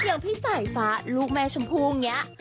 อย่างพี่สายฟ้าลูกแม่ชมพูงเนี่ย